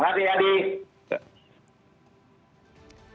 terima kasih adi